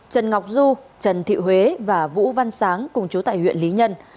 trần ngọc du trần thị huế và vũ văn sáng cùng chú tại huyện lý nhân